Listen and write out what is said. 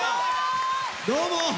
どうも！